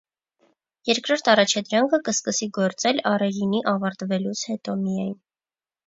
Երկրորդ առաջադրանքը կսկսի գործել առայինի ավարտվելուց հետո միայն։